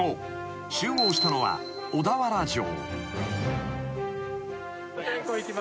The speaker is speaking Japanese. ［集合したのは小田原城］